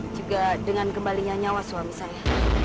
juga dengan kembalinya nyawa suami saya